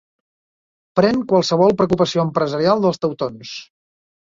Pren qualsevol preocupació empresarial dels teutons.